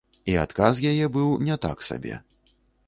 І адказ яе быў не так сабе.